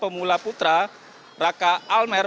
pemula putra raka almer